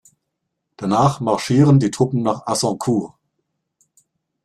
Danach marschieren die Truppen nach Azincourt.